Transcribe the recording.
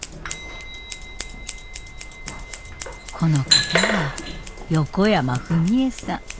この方は横山フミエさん。